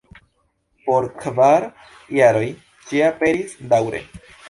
Por kvar jaroj ĝi aperis daŭre.